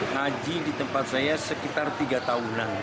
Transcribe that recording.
ngaji di tempat saya sekitar tiga tahunan